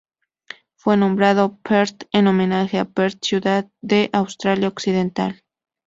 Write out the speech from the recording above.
Fue nombrado Perth en homenaje a Perth ciudad de Australia Occidental.